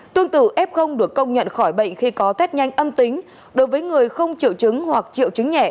tương tự f được công nhận khỏi bệnh khi có test nhanh âm tính đối với người không triệu chứng hoặc triệu chứng nhẹ